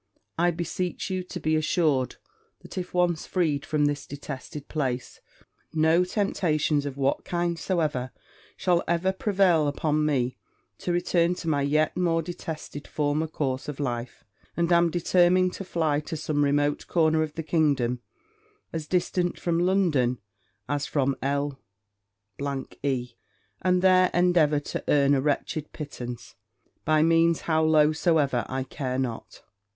I beseech you to be assured that, if once freed from this detested place, no temptations, of what kind soever, shall ever prevail upon me to return to my yet more detested former course of life; and am determined to fly to some remote corner of the kingdom, as distant from London as from L e; and there endeavour to earn a wretched pittance, by means how low soever I care not.